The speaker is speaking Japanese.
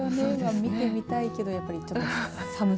見てみたいけどやっぱり寒さ。